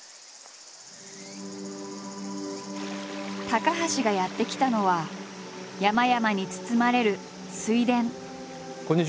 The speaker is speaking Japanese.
高橋がやって来たのは山々に包まれる水田。